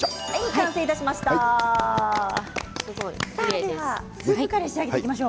完成いたしました。